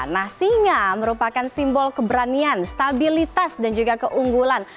nah singa merupakan simbol keberanian stabilitas dan juga keunggulan